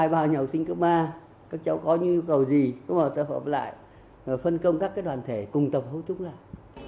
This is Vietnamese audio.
bao nhiêu học sinh cấp ba các cháu có nhu cầu gì chúng ta hợp lại phân công các đoàn thể cùng tập hỗ trúc lại